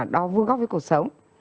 đo vương góc với cuộc sống